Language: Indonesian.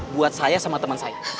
buat saya sama teman saya